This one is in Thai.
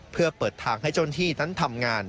เพื่อเปิดทางให้ชนที่นั้นทำงาน